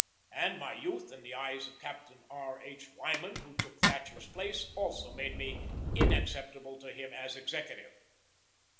And my youth in the eyes of Captain R. H. Wyman, who took Thatcher's place, also made me inacceptable to him as executive.